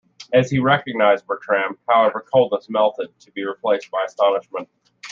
As he recognized Bertram, however, coldness melted, to be replaced by astonishment.